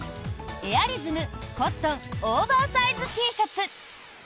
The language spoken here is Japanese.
エアリズムコットンオーバーサイズＴシャツ。